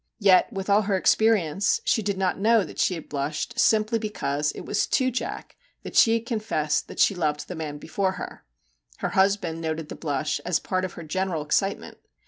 Yet with all her experience she did not know that she had blushed simply because it was to Jack that she had confessed that she loved the man before her. Her husband noted the blush as part of her general excitement.